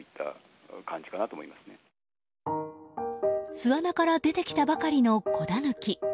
巣穴から出てきたばかりの子ダヌキ。